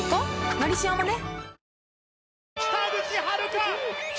「のりしお」もね